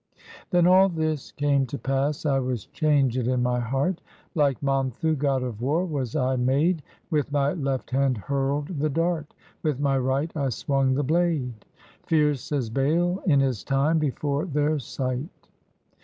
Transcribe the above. Then all this came to pass, I was changed in my heart Like Monthu, god of war, was I made, With my left hand hurled the dart. With my right I swung the blade. Fierce as Baal in his time, before their sight.